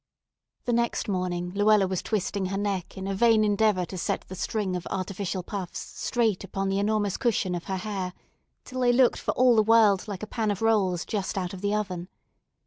The next morning Luella was twisting her neck in a vain endeavor to set the string of artificial puffs straight upon the enormous cushion of her hair, till they looked for all the world like a pan of rolls just out of the oven.